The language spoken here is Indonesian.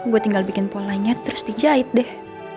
gue tinggal bikin polanya terus dijahit deh